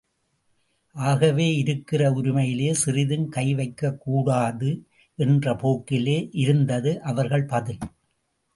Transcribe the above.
ஆகவே இருக்கிற உரிமையிலே சிறிதும் கை வைக்கக்கூடாது! என்ற போக்கிலே இருந்தது அவர்கள் பதில்.